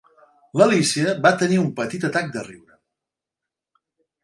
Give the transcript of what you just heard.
L'Alícia va tenir un petit atac de riure.